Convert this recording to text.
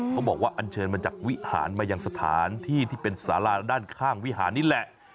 บอกว่าอันเชิญมาจากวิหารมายังสถานที่ที่เป็นสาราด้านข้างวิหารนี่แหละ